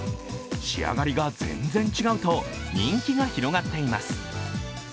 仕上がりが全然違うと人気が広がっています。